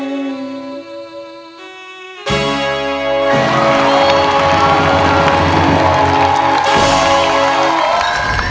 ไม่ใช้ค่ะ